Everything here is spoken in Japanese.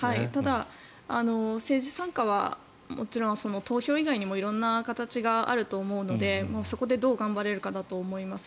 ただ、政治参加はもちろん投票以外にも色んな形があると思うのでそこでどう頑張れるかだと思います。